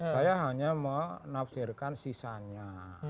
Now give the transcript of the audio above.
saya hanya menafsirkan sisanya